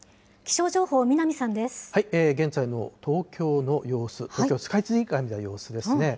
現在の東京の様子、東京スカイツリーから見た様子ですね。